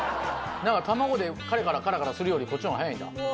なんか卵でカラカラカラカラするよりこっちの方が早いんだ。